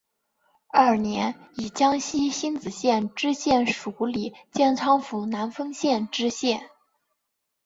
二年以江西星子县知县署理建昌府南丰县知县。